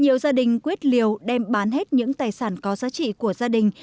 nhiều gia đình quyết liều đem bán hết những tài sản có giá trị của gia đình